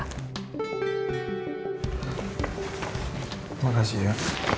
terima kasih ya